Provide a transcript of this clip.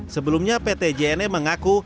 sebelumnya pt jne mengaku